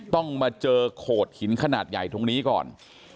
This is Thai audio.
ต้องมาเจอโขดหินขนาดใหญ่ตรงนี้ก่อน